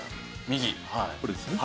これですね。